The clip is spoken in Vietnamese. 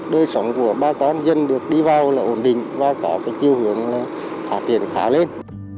đời sống của bà con là dân được đi vào là ổn định và cả chiêu hưởng phát triển khá lên